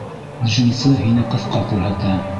Джинсы һине ҡыҫҡа күрһәтә.